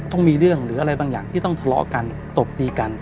ต้องมีเรื่องหรืออะไรบางอย่างที่ต้องทะเลาะกันตบตีกัน